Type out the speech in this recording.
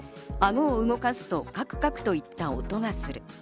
顎を動かすとカクカクといった音がする。